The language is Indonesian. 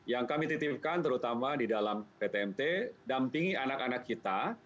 yang kami titipkan terutama di dalam pt mt dampingi anak anak kita